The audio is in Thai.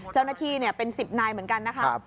เจ้าหน้าที่เป็น๑๐นายเหมือนกันนะคะ